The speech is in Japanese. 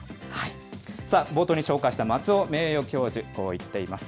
さあ、冒頭にご紹介した松尾名誉教授、こう言っています。